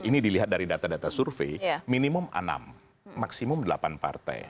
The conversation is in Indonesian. ini dilihat dari data data survei minimum enam maksimum delapan partai